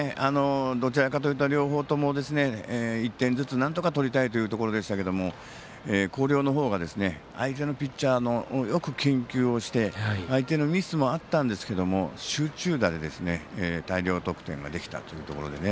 どちらかというと両方とも１点ずつ、なんとか取りたいというところでしたけど広陵の方が相手のピッチャーをよく研究をして相手のミスもあったんですけど集中打で大量得点ができたというところでね